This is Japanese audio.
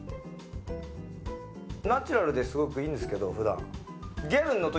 ナチュラルですごくいいんですけど普段。